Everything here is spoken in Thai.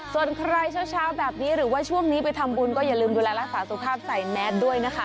ส่วนใครเช้าแบบนี้หรือว่าช่วงนี้ไปทำบุญก็อย่าลืมดูแลรักษาสุขภาพใส่แมสด้วยนะคะ